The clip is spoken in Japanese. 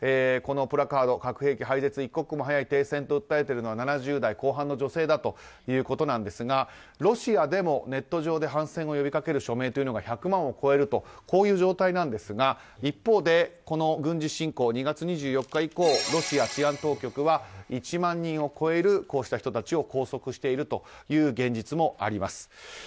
このプラカード核兵器廃絶、一刻も早い停戦と訴えているのは７０代後半の女性ということですがロシアでもネット上で反戦を呼びかける署名が１００万を超えるとこういう状態なんですが一方で、この軍事侵攻２月２４日以降ロシア治安当局は１万人を超えるこうした人たちを拘束しているという現実もあります。